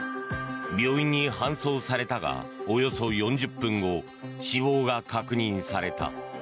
病院に搬送されたがおよそ４０分後死亡が確認された。